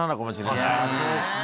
いやそうですね。